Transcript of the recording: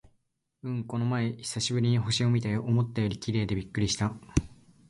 うん、この前久しぶりに星を見たよ。思ったより綺麗でびっくりした！